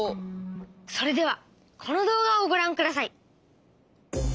それではこの動画をごらんください。